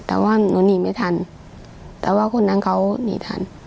แต่ว่าหนูหนีไม่ทันแต่ว่าคนนั้นเขาหนีทัน